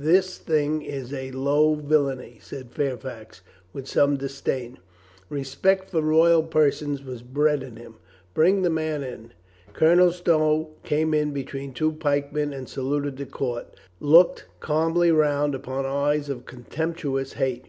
"This thing is a low villainy," said Fairfax, witli some disdain. Respect for royal persons was bred in him. "Bring the man in." Colonel Stow came in between two pikemen and saluted the court, looked calmly round upon eyes of contemptuous hate.